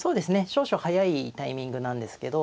少々早いタイミングなんですけど